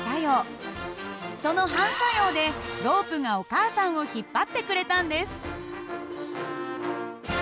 その反作用でロープがお母さんを引っ張ってくれたんです。